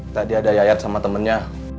tadi ada yayat sama temennya